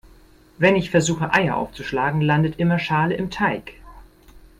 Wenn ich versuche Eier aufzuschlagen, landet immer Schale im Teig.